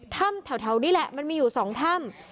ถ้ำแถวนี้แหละมันมีอยู่๒ถ้ำ